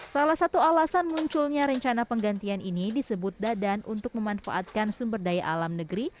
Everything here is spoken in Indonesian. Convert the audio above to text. salah satu alasan munculnya rencana penggantian ini disebut dadan untuk memanfaatkan sumber daya alam negeri